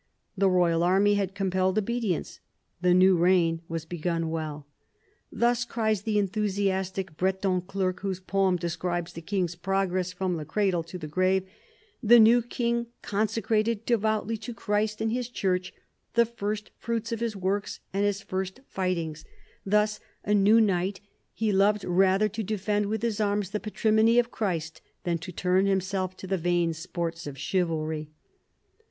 The royal army had compelled obedience. The new reign was begun well. " Thus," cries the en thusiastic Breton clerk whose poem describes the king's progress from the cradle to the grave, " the new king con secrated devoutly to Christ and His Church the first fruits of his works and his first fightings : thus, a new knight, 32 PHILIP AUGUSTUS chap. he loved rather to defend with his arms the patrimony of Christ than to turn himself to the vain sports of chivalry."